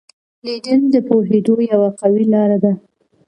لیدل د پوهېدو یوه قوي لار ده